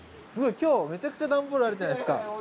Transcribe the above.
今日めちゃくちゃ段ボールあるじゃないですか！